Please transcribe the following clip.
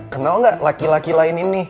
kenal nggak laki laki lain ini